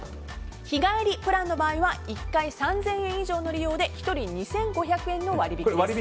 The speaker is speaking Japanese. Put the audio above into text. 日帰りプランの場合は１回３０００円以上の利用で１人２５００円の割引です。